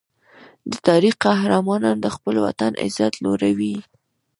د تاریخ قهرمانان د خپل وطن عزت لوړوي.